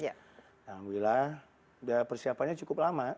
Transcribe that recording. alhamdulillah persiapannya cukup lama